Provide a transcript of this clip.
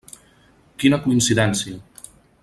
Quina coincidència!